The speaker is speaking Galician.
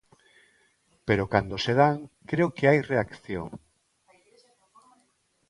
Pero cando se dan, creo que hai reacción.